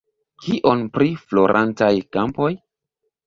Kion pri florantaj kampoj?